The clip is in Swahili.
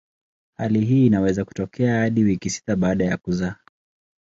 Hali hii inaweza kutokea hadi wiki sita baada ya kuzaa.